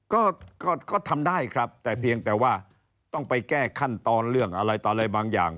ก็ก็ทำได้ครับแต่เพียงแต่ว่าต้องไปแก้ขั้นตอนเรื่องอะไรต่ออะไรบางอย่าง